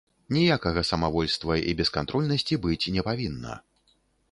Ніякага самавольства і бескантрольнасці быць не павінна.